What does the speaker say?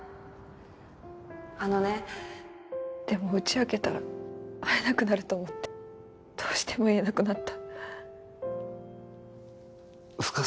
あのねでも打ち明けたら会えなくなると思ってどうしても言えなくなった深瀬